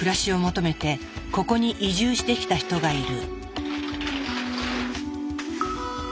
ここに移住してきた人がいる。